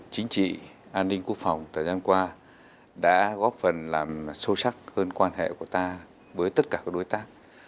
chính trị an ninh quốc phòng thời gian qua đã góp phần làm sâu sắc hơn quan hệ của ta với tất cả các đối tác